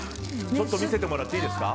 ちょっと見せてもらっていいですか。